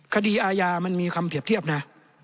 คดีอาญามันมีคำเปรียบเทียบนะ